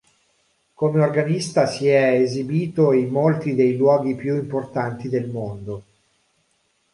Come organista si è esibito in molti dei luoghi più importanti del mondo.